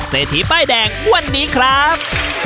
เศรษฐีป้ายแดงวันนี้ครับ